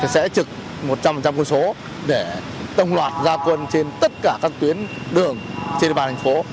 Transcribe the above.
sẽ trực một trăm linh quân số để tông loạt gia quân trên tất cả các tuyến đường trên địa bàn thành phố